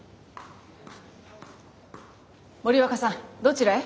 森若さんどちらへ？